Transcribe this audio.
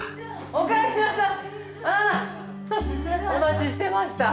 おかえりなさい。